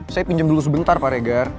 saya pinjam dulu sebentar pak regar